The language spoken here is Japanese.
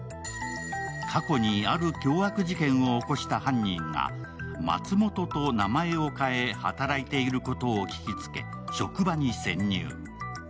過去にある凶悪事件を起こした犯人が松本と名前を変え、働いていることを聞きつけ、職場に潜入。